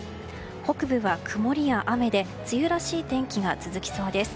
北部は曇りや雨で梅雨らしい天気が続きそうです。